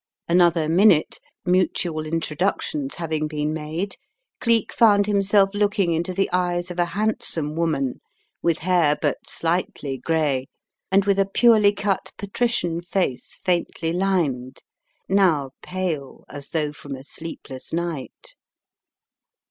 Another minute, mutual introductions having been made, Cleek found himself looking into the eyes of a handsome woman with hair but slightly gray, and with a purely cut, patrician face faintly lined, now pale as though from a sleepless night.